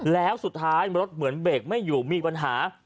แล้วสุดท้ายรถเหมือนเบรกไม่อยู่มีปัญหา